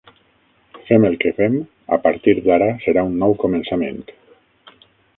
Fem el que fem a partir d'ara serà un nou començament.